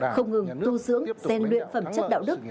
không ngừng tu dưỡng gian luyện phẩm chất đạo đức